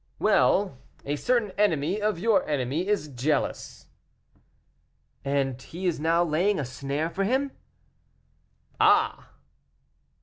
"Well, a certain enemy of your enemy is jealous." "And he is now laying a snare for him?" "Ah!"